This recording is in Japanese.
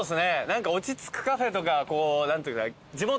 何か落ち着くカフェとか何ていうか。